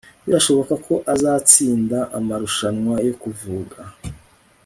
Birashoboka ko azatsinda amarushanwa yo kuvuga